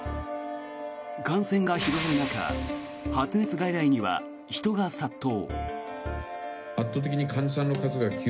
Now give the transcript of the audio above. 感染が広がる中発熱外来には人が殺到。